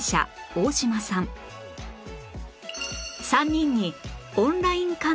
３人にオンライン館